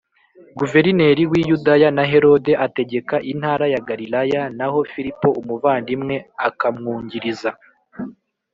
Guverineri w’i Yudaya na Herode ategeka intara ya Galilaya naho Filipo umuvandimwe akamwungiriza